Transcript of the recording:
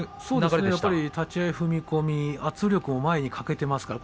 そうですね立ち合い踏み込み圧力をかけています。